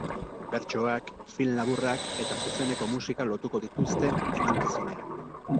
Bertsoak, film laburrak eta zuzeneko musika lotuko dituzte emankizunean.